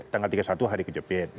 tanggal tiga puluh satu hari kejepit